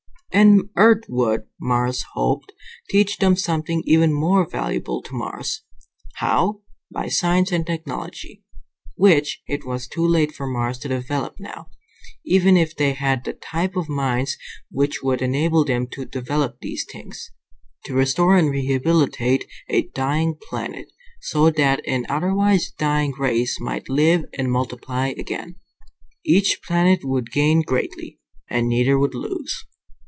And Earth would, Mars hoped, teach them something even more valuable to Mars: how, by science and technology which it was too late for Mars to develop now, even if they had the type of minds which would enable them to develop these things to restore and rehabilitate a dying planet, so that an otherwise dying race might live and multiply again. Each planet would gain greatly, and neither would lose.